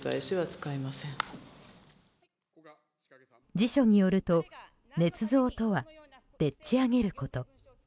辞書によると、ねつ造とはでっち上げること。